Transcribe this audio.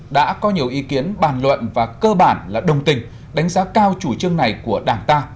đã có nhiều ý kiến bàn luận và cơ bản là đồng tình đánh giá cao chủ trương này của đảng ta